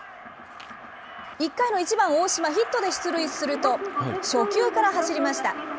１回の１番大島、ヒットで出塁すると、初球から走りました。